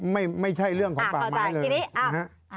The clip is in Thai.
มันไม่ใช่เรื่องของป่าไม้ละ